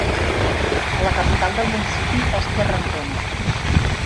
La capital del municipi és Terrantona.